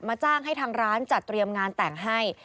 จ้างให้ทางร้านจัดเตรียมงานแต่งให้